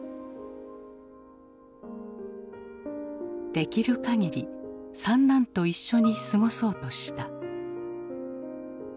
できる限り三男と一緒に過ごそうとした。